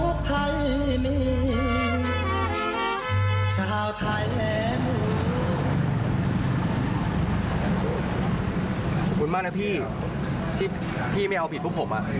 ขอบคุณมากนะพี่ที่พี่ไม่เอาผิดพวกผม